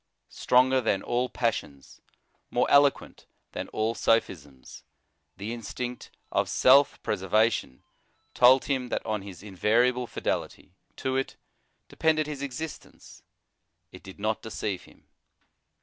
Stronger than all passions, more eloquent than all sophisms, the instinct of self pre servation told him that on his invariable fidelity to it depended his existence: it did not deceive him.